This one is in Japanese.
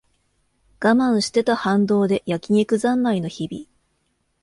我慢してた反動で焼き肉ざんまいの日々